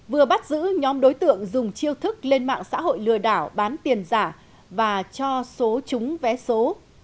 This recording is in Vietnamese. vừa bắt giữ nhóm đối tượng dùng chiêu thức lên mạng xã hội lừa đảo bán tiền giả và cho số chúng vé số